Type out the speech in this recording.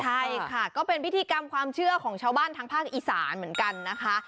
ใช่ค่ะก็เป็นพิธีกรรมความเชื่อของชาวบ้านทางภาคอีสานเหมือนกันนะคะ